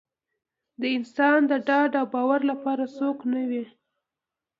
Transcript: چې د انسان د ډاډ او باور لپاره څوک نه وي.